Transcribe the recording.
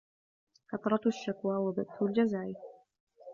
كَثْرَةُ الشَّكْوَى وَبَثُّ الْجَزَعِ